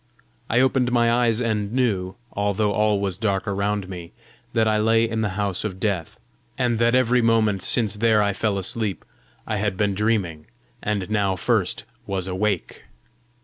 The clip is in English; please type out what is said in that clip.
I opened my eyes and knew, although all was dark around me, that I lay in the house of death, and that every moment since there I fell asleep I had been dreaming, and now first was awake.